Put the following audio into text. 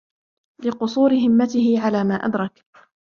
لِقُصُورِ هِمَّتِهِ عَلَى مَا أَدْرَكَ